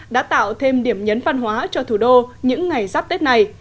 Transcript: đã tạo thêm điểm nhấn văn hóa cho thủ đô những ngày giáp tết này